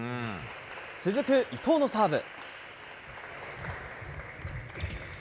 続く伊藤のサーブ。